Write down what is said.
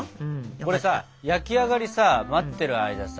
これさ焼き上がりさ待ってる間さ